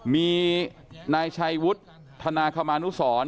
มีนายชัยวุฒิธนาคมานุสร